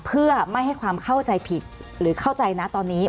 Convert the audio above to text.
เพื่อไม่ให้ความเข้าใจผิดหรือเข้าใจนะตอนนี้